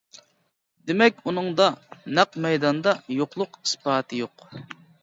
دېمەك ئۇنىڭدا نەق مەيداندا يوقلۇق ئىسپاتى يوق!